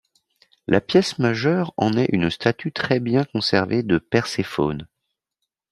La pièce majeure en est une statue très bien conservée de Perséphone.